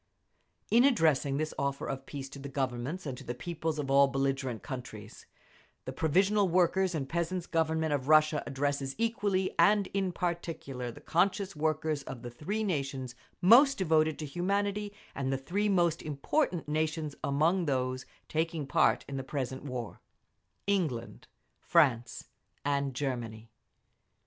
In addressing this offer of peace to the Governments and to the peoples of all the belligerent countries, the Provisional Workers' and Peasants' Government of Russia addresses equally and in particular the conscious workers of the three nations most devoted to humanity and the three most important nations among those taking part in the present war—England, France, and Germany.